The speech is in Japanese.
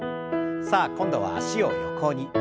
さあ今度は脚を横に。